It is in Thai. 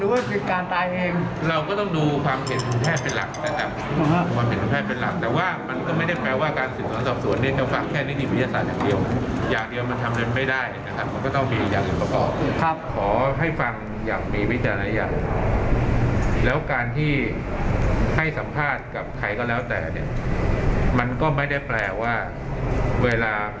เวลาพบหรือพูดกับตำรวจแล้วเป็นอย่างนั้น